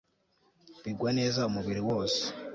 bigwa neza umubiri wose